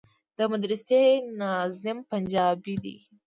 د مدرسې ناظم پنجابى دى.